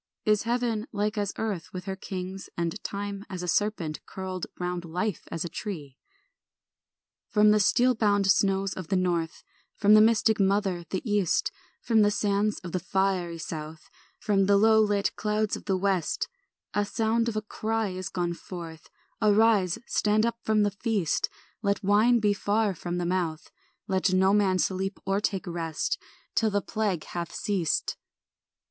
Is heaven like as earth with her kings And time as a serpent curled Round life as a tree? From the steel bound snows of the north, From the mystic mother, the east, From the sands of the fiery south, From the low lit clouds of the west, A sound of a cry is gone forth; Arise, stand up from the feast, Let wine be far from the mouth, Let no man sleep or take rest, Till the plague hath ceased.